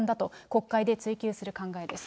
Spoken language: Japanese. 国会で追及する考えです。